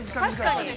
◆確かに。